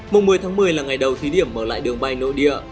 mùng một mươi tháng một mươi là ngày đầu thí điểm mở lại đường bay nội địa